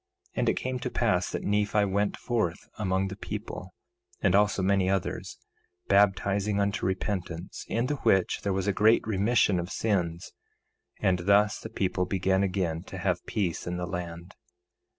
1:23 And it came to pass that Nephi went forth among the people, and also many others, baptizing unto repentance, in the which there was a great remission of sins. And thus the people began again to have peace in the land.